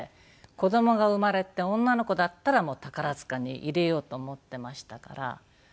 子供が生まれて女の子だったら宝塚に入れようと思っていましたから。